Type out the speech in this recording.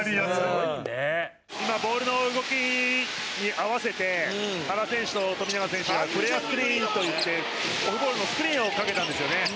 解説：今、ボールの動きに合わせて原選手と富永選手がフレアスクリーンといってオフボールのスクリーンをかけたんですよね。